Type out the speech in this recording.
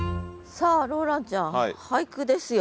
さあローランちゃん俳句ですよ。